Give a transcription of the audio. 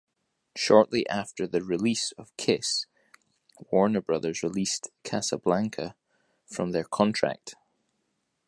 Shortly after the release of "Kiss", Warner Brothers released Casablanca from their contract.